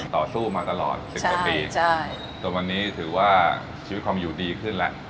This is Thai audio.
ต่อสู้มาตลอดสิบสักปีใช่ใช่ตอนวันนี้ถือว่าชีวิตความอยู่ดีขึ้นแหละ